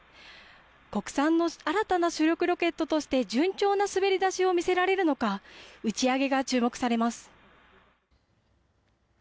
国産の新たな主力ロケットとして順調な滑り出しを見せられるのか打ち上げが注目されます。